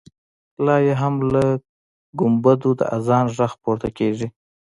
لا یې هم له ګمبدو د اذان غږ پورته کېږي.